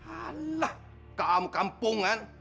alah kamu kampungan